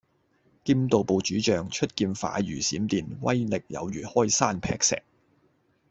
劍道部主將，出劍快如閃電，威力有如開山闢石